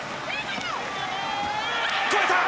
越えた！